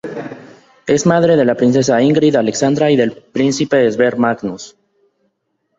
Es madre de la princesa Ingrid Alexandra y del príncipe Sverre Magnus.